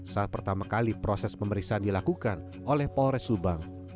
saat pertama kali proses pemeriksaan dilakukan oleh polres subang